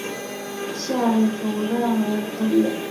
现任主任牧师为陈淳佳牧师。